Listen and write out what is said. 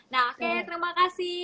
nah oke terima kasih